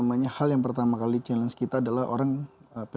in detailnya kalau tensions